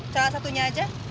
salah satunya aja